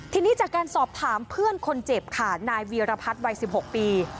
ทีนี้จากการสอบถามเพื่อนคนเจ็บค่ะนายวีรพัฒน์วัย๑๖ปี